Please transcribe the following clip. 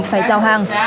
phải giao hàng